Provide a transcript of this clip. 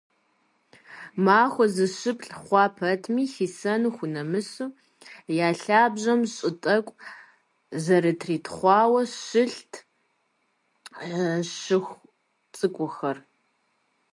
Махуэ зыщыплӏ хъуа пэтми, хисэну хунэмысу, я лъабжьэм щӏы тӏэкӏу зэрытритхъуауэ, щылът щиху цӏыкӏухэр.